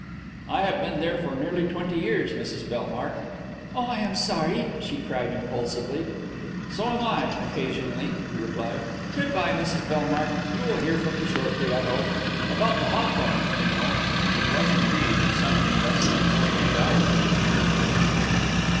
"I have been there for nearly twenty years, Mrs Bellmark." "Oh, I am sorry!" she cried impulsively. "So am I occasionally," he replied. "Good bye, Mrs Bellmark. You will hear from me shortly, I hope. About the hawthorn, you know." It was, indeed, in something less than forty eight hours that she heard from him again.